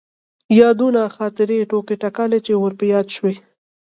يادونه ،خاطرې، ټوکې تکالې چې ور په ياد شوي.